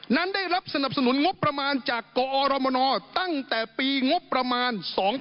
นั้นได้รับสนับสนุนงบประมาณจากกอรมนตั้งแต่ปีงบประมาณ๒๕๖